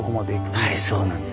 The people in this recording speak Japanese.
はいそうなんです。